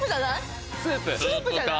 スープ。